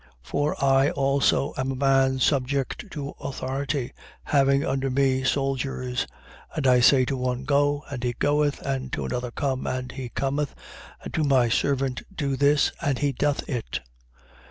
7:8. For I also am a man subject to authority, having under me soldiers: and I say to one, Go, and he goeth: and to another, Come, and he cometh; and to my servant, Do this, and he doth it.